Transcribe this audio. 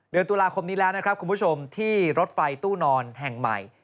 เดือนตุลาคมนี้แล้วนะครับคุณผู้ชมที่รถไฟตู้นอนแห่งใหม่